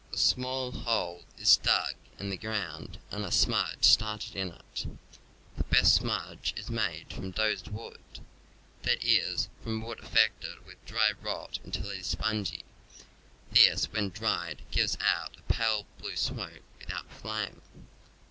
A small hole is dug in the ground and a smudge started in it. The best smudge is made from "dozed" wood, that is, from wood affected with dry rot until it is spongy; this, when dried, gives out a pale blue smoke without flame.